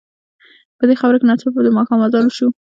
په دې خبرو کې ناڅاپه د ماښام اذان وشو.